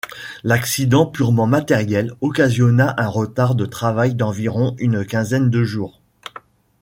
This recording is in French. L'accident purement matériel occasionna un retard de travail d'environ une quinzaine de jours.